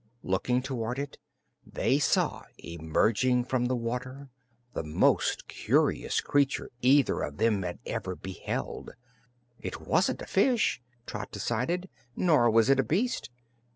Looking toward it they saw emerging from the water the most curious creature either of them had ever beheld. It wasn't a fish, Trot decided, nor was it a beast.